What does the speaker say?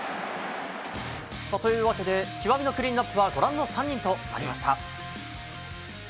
というわけで、極みのクリーンアップは、ご覧の３人となりました。